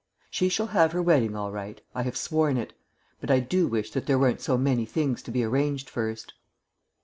She shall have her wedding all right; I have sworn it. But I do wish that there weren't so many things to be arranged first.